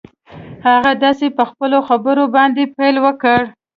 هغه داسې په خپلو خبرو باندې پيل وکړ.